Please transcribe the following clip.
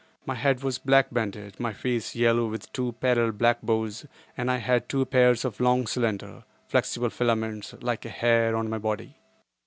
My head was black banded; my face yellow with two parallel black bows, and I had two pairs of long slender, flexible filaments, like a hair, on my body.